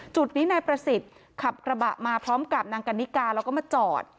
จุดนี้นายประสิทธิ์ขับกระบะมาพร้อมกับนางกันนิกาแล้วก็มาจอด